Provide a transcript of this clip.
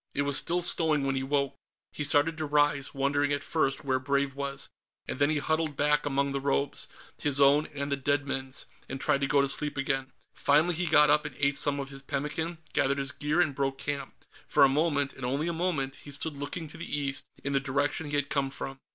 It was still snowing when he woke. He started to rise, wondering, at first, where Brave was, and then he huddled back among the robes his own and the dead men's and tried to go to sleep again. Finally, he got up and ate some of his pemmican, gathered his gear and broke camp. For a moment, and only a moment, he stood looking to the east, in the direction he had come from.